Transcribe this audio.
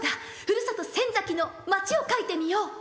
ふるさと仙崎の町を書いてみよう」。